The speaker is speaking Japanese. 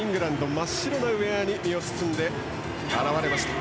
真っ白なウエアに身を包んで現れました。